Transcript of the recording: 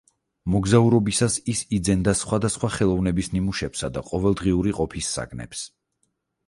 მოგზაურობისას ის იძენდა სხვადასხვა ხელოვნების ნიმუშებსა და ყოველდღიური ყოფის საგნებს.